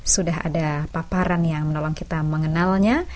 sudah ada paparan yang menolong kita mengenalnya